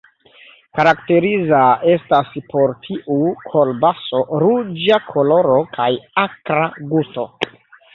Karakteriza estas por tiu kolbaso ruĝa koloro kaj akra gusto.